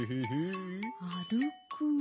あるく。